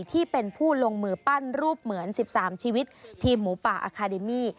ที่เป็นผู้ลงมือปั้นรูปเหมือน๑๓ชีวิตทีมหมูป่าอาคาเดมี่